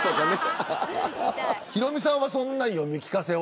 ヒロミさんはそんな読み聞かせは。